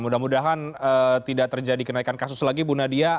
mudah mudahan tidak terjadi kenaikan kasus lagi bu nadia